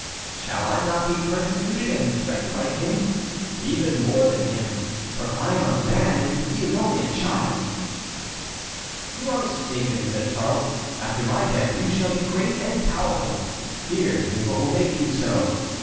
"Shall I not be persecuted, and threatened like him, even more than him? For I am a man, and he is only a child." "You are mistaken," said Charles; "after my death you shall be great and powerful. Here is what will make you so."